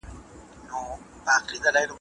اقتصادي پوهه د ژوند په هره برخه کي پکار ده.